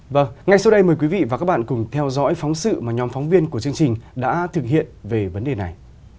vâng ngay sau đây mời quý vị và các bạn cùng theo dõi phóng sự mà nhóm phóng viên của chương trình đã thực hiện về vấn đề này